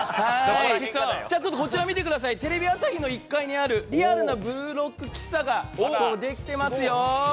こちら、見てくださいテレビ朝日の１階にあるリアルな「ブルーロック」喫茶ができていますよ。